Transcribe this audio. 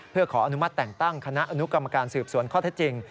เพื่อขออนุมัติแต่งตั้งคณะอนุกรรมการสืบสวนข้อเท็จจริง